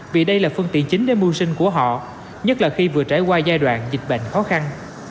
vì đây là phương tiện chính để mưu sinh của họ nhất là khi vừa trải qua giai đoạn dịch bệnh khó khăn